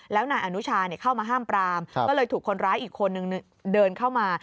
แล้วนายอนุชาเข้ามาห้ามปรามก็เลยถูกคนร้ายอีกคนนึงเดินเข้ามา